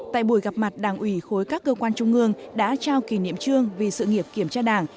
tại buổi gặp mặt đảng ủy khối các cơ quan trung ương đã trao kỷ niệm trương vì sự nghiệp kiểm tra đảng